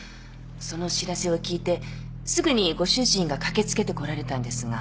その知らせを聞いてすぐにご主人が駆け付けてこられたんですが。